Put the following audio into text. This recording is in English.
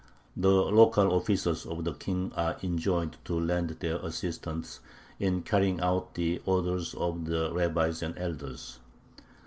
The local officers of the king are enjoined to lend their assistance in carrying out the orders of the rabbis and elders.